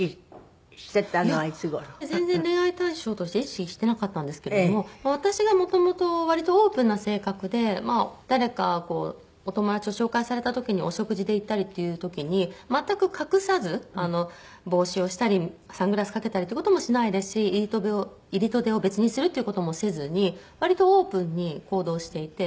全然恋愛対象として意識してなかったんですけれども私がもともと割とオープンな性格で誰かお友達を紹介された時にお食事で行ったりっていう時に全く隠さず帽子をしたりサングラスかけたりっていう事もしないですし入りと出を別にするっていう事もせずに割とオープンに行動していて。